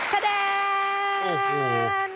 ท้าแด้นโอ้โฮ